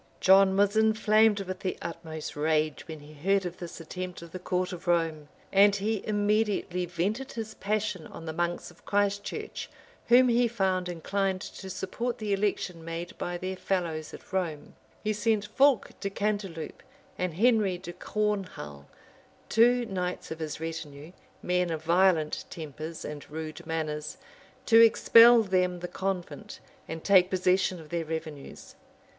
John was inflamed with the utmost rage when he heard of this attempt of the court of Rome;[] and he immediately vented his passion on the monks of Christ church, whom he found inclined to support the election made by their fellows at Rome. [* Rymer, vol. i. p. 139. M. Paris, p. 155] [ Rymer, vol. i. p. 143.] He sent Fulk de Cantelupe, and Henry de Cornhulle, two knights of his retinue, men of violent tempers and rude manners, to expel them the convent, and take possession of their revenues.